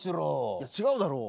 いや違うだろう。